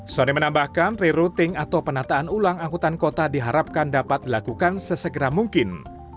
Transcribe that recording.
sony menambahkan rerouting atau penataan ulang angkutan kota diharapkan dapat dilakukan sesegera mungkin